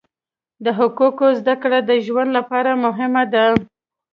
د حقوقو زده کړه د ژوند لپاره مهمه ده.